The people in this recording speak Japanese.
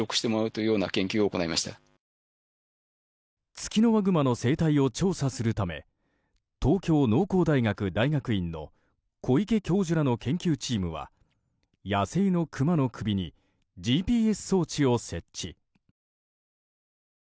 ツキノワグマの生態を調査するため東京農工大学大学院の小池教授らの研究チームは野生のクマの首にＧＰＳ装置を設置。